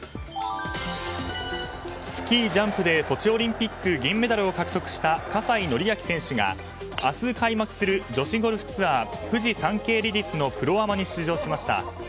スキージャンプでソチオリンピック銀メダルを獲得した葛西紀明選手が明日開幕する女子ゴルフツアーフジサンケイレディスのプロアマに出場しました。